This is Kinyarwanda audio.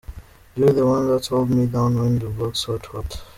You the one that hold me down when the block's hot, hot.